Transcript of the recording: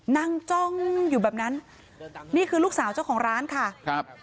จ้องอยู่แบบนั้นนี่คือลูกสาวเจ้าของร้านค่ะครับ